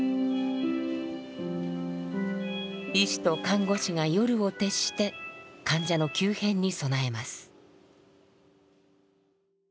医師と看護師が夜を徹して患者の急変に備えます。